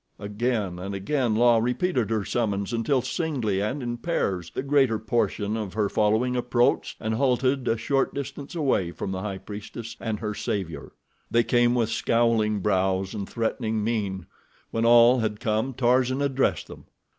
Again and again, La repeated her summons until singly and in pairs the greater portion of her following approached and halted a short distance away from the High Priestess and her savior. They came with scowling brows and threatening mien. When all had come Tarzan addressed them.